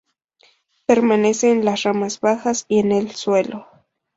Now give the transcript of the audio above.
Permanece en las ramas bajas y en el suelo.